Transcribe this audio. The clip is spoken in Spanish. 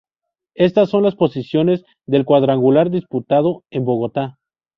Estas son las posiciones del cuadrangular disputado en Bogotá.